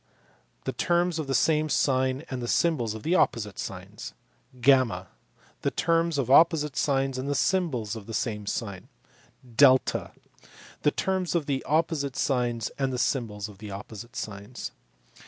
the terms of the same sign and the symbols of opposite signs ; (y) the terms of opposite signs and the symbols of the same sign; (S) the terms of opposite signs and the symbols of opposite signs.